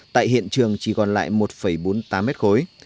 tại hiện trường chỉ còn lại một bốn mươi tám mét khối